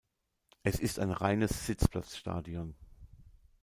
Es ist ein reines Sitzplatzstadion.